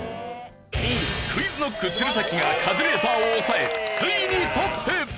ＱｕｉｚＫｎｏｃｋ鶴崎がカズレーザーを抑えついにトップ！